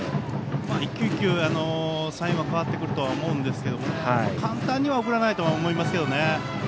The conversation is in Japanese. １球１球サインは変わってくると思いますが簡単には送らないと思いますけどね。